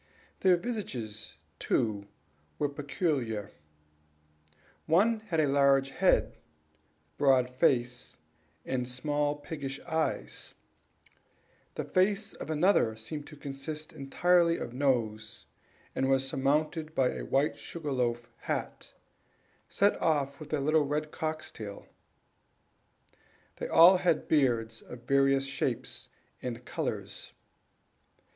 Their visages, too, were peculiar; one had a large beard, broad face, and small piggish eyes; the face of another seemed to consist entirely of nose, and was surmounted by a white sugar loaf hat, set off with a little red cock's tail. They all had beards, of various shapes and colors.